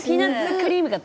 クリームが